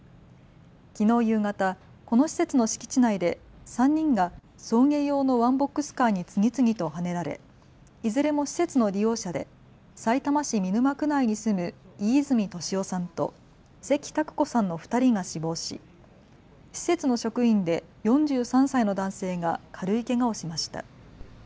きのう夕方、この施設の敷地内で３人が送迎用のワンボックスカーに次々とはねられいずれも施設の利用者でさいたま市見沼区内に住む飯泉利夫さんと関拓子さんの２人が死亡し、施設の職員で４３歳の男性が軽いけがをしました。